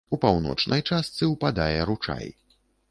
У паўночнай частцы ўпадае ручай.